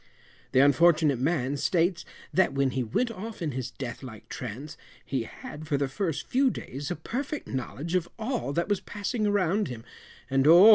The unfortunate man states that when he went off in his death like trance he had, for the first few days a perfect knowledge of all that was passing around him, and, oh!